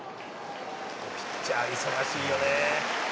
「ピッチャー忙しいよね」